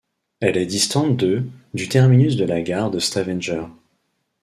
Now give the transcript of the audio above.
Elle est distante de du terminus de la gare de Stavanger.